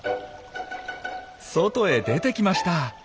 外へ出てきました。